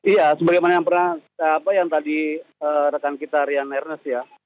iya sebagaimana yang pernah apa yang tadi rekan kita rian ernest ya